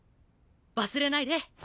忘れないで。